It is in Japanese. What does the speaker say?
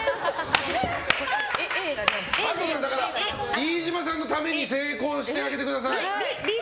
飯島さんのために成功してあげてください。